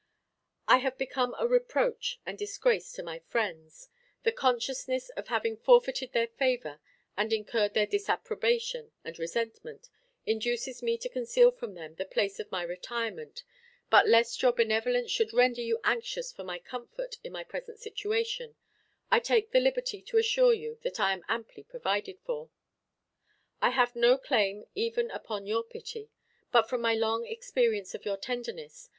I have become a reproach and disgrace to my friends. The consciousness of having forfeited their favor and incurred their disapprobation and resentment induces me to conceal from them the place of my retirement; but lest your benevolence should render you anxious for my comfort in my present situation, I take the liberty to assure you that I am amply provided for. I have no claim even upon your pity; but from my long experience of your tenderness.